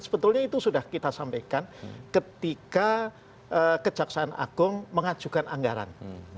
sebetulnya itu sudah kita sampaikan ketika kejaksaan agung mengajukan anggaran